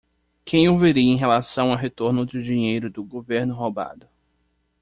Quem eu veria em relação ao retorno do dinheiro do governo roubado?